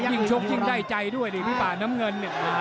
ยิ่งชกยิ่งได้ใจด้วยน้ำเงิน